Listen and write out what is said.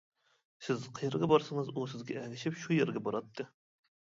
سىز قەيەرگە بارسىڭىز ئۇ سىزگە ئەگىشىپ شۇ يەرگە باراتتى.